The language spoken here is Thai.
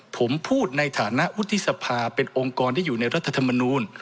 ผมพูดในฐานะวุฒิสภาเป็นองค์กรที่อยู่ในรัฐธรรมนูล